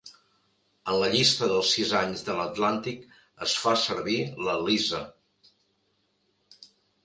En la llista dels sis anys de l'"Atlantic", es fa servir la Lisa.